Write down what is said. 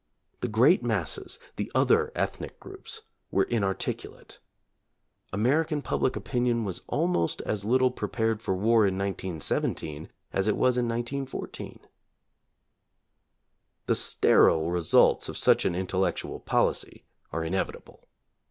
The great masses, the other ethnic groups, were inarticulate. American public opinion was almost as little pre pared for war in 1917 as it was in 1914. The sterile results of such an intellectual policy are inevitable.